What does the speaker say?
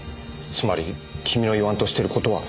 つまり君の言わんとしている事は。